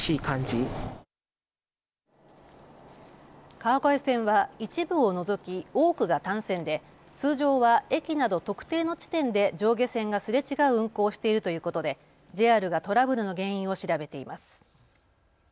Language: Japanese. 川越線は一部を除き多くが単線で通常は駅など特定の地点で上下線がすれ違う運行をしているということでＪＲがトラブルの原因を調べています。